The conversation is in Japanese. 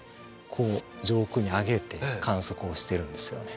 こう上空に上げて観測をしているんですよね。